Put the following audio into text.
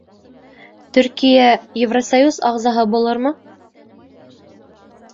Төркиә Евросоюз ағзаһы булырмы?